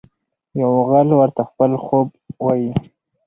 یو غل ورته خپل خوب وايي.